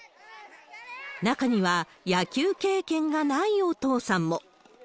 中には野球経験がないお父さんも。